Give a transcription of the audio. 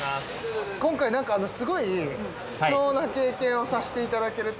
今回なんかすごい貴重な経験をさせていただけるということで。